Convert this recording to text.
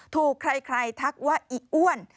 ถูกใครทักว่าอีอ้วน